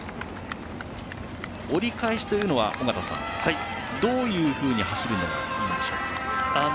折り返しというのはどういうふうに走るのがいいんでしょうか？